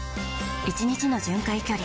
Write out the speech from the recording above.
１日の巡回距離